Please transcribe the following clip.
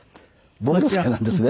僕のせいなんですね。